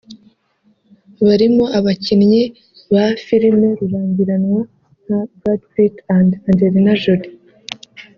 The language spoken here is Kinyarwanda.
barimo abakinnyi ba filimi rurangiranwa nka Brad Pitt na Angelina Jolie